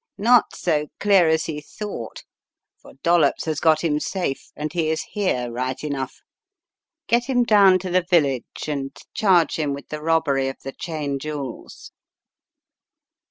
"Not so clear as he thought, for Dollops has got him safe and he is here, right enough. Get him down to the vil lage and charge him with the robbery of the Cheyne jewels."